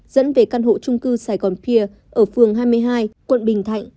dẫn về căn hộ trung cư saigon pier ở phường hai mươi hai quận bình thạnh